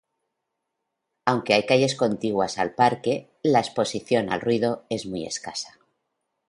Aunque hay calles contiguas al parque, la exposición al ruido es muy escasa.